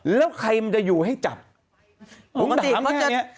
แล้วใครมันจะอยู่ให้จับถามแค่ไง